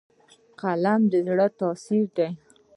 فلم د زړه تاثیر دی